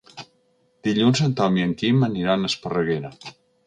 Dilluns en Tom i en Quim aniran a Esparreguera.